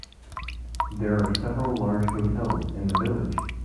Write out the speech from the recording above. There are several large hotels in the village.